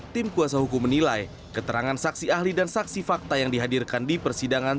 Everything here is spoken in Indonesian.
tim kuasa hukum menilai keterangan saksi ahli dan saksi fakta yang dihadirkan di persidangan